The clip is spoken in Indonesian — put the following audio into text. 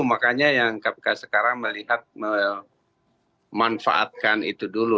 makanya yang kpk sekarang melihat memanfaatkan itu dulu